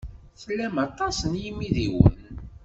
Tlam aṭas n yimidiwen.